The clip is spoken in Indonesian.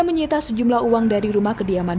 menyita sejumlah uang dari rumah kediaman